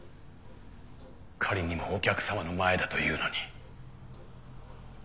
仮にもお客さまの前だというのに。